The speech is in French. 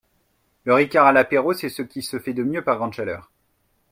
Le ricard à l'apéro c'est ce qui se fait de mieux par grande chaleur